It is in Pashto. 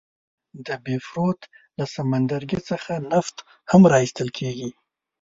د بیوفورت له سمندرګي څخه نفت هم را ایستل کیږي.